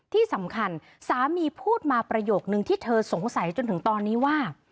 ที่สำคัญสามีพูดมาประโยคนึงที่เธอสงสัยจนถึงตอนนี้ว่า